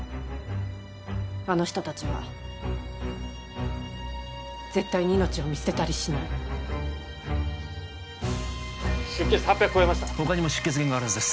あの人達は絶対に命を見捨てたりしない出血８００超えました他にも出血源があるはずです